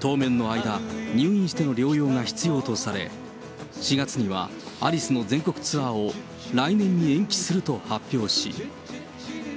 当面の間、入院しての療養が必要とされ、４月には、アリスの全国ツアーを来年に延期すると発表し。